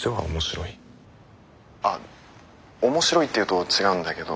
あっ面白いって言うと違うんだけど。